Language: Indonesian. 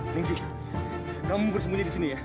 lengsi kamu bersembunyi di sini ya